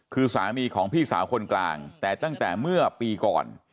คือสามีของพี่สาวคนกลางแต่ตั้งแต่เมื่อปีก่อน